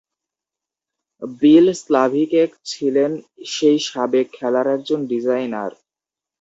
বিল Slavicek ছিলেন সেই সাবেক খেলার একজন ডিজাইনার।